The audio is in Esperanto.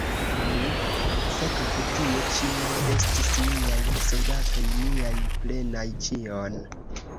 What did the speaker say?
Nu, sekve tio ĉi ne estis miaj soldatoj; miaj prenas ĉion.